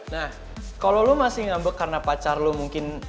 nah kalau lo masih ngambek karena pacar lu mungkin